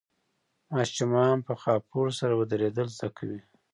ماشومان په خاپوړو سره ودرېدل زده کوي.